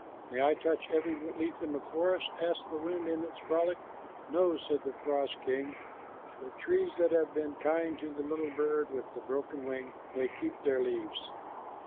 "May I touch every leaf in the forest?" asked the wind in its frolic. "No," said the frost king. "The trees that have been kind to the little bird with the broken wing may keep their leaves."